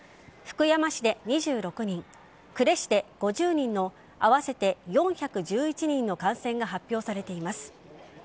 福山市で２６人呉市で５０人の合わせて４１１人の感染が発表されています。